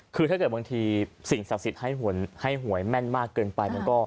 คือถ้าเกิดบางทีสิ่งศักดิ์สิทธิ์ให้หวยแม่นมากเกินไปมันก็